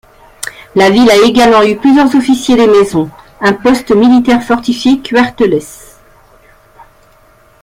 La ville a également eu plusieurs officiers des maisons, un poste militaire fortifié cuarteles.